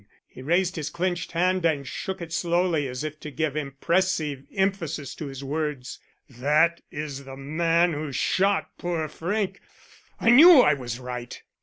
He raised his clenched hand and shook it slowly as if to give impressive emphasis to his words. "That is the man who shot poor Frank. I knew I was right."